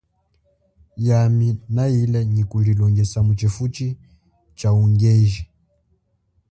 Yami na ile nyi kulilongesa mutshifutshi chaungeji.